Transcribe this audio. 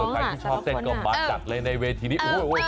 ใครที่ชอบเต้นก็มาจัดเลยในเวทีนี้